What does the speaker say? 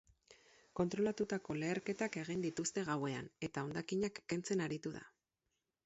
Kontrolatutako leherketak egin dituzte gauean, eta hondakinak kentzen aritu da.